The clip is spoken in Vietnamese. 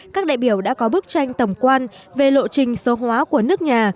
các đại biểu đã có bức tranh tổng quan về lộ trình số hóa của nước nhà